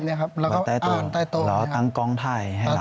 อ่านใต้โตอย่างนี้ครับอ่านใต้โตอย่างนี้ครับแล้วก็ตั้งกล้องไทยให้หลับ